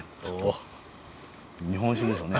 日本酒ですよね